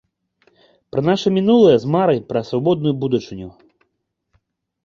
Пра наша мінулае з марай пра свабодную будучыню.